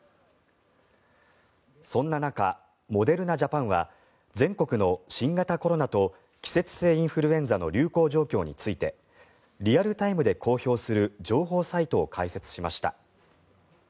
そんな中、モデルナ・ジャパンは全国の新型コロナと季節性インフルエンザの流行状況についてリアルタイムで公表する情報サイトを開設しました。